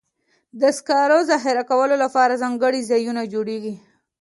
د سکرو ذخیره کولو لپاره ځانګړي ځایونه جوړېږي.